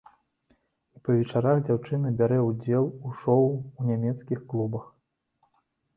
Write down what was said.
І па вечарах дзяўчына бярэ ўдзел у шоў у нямецкіх клубах.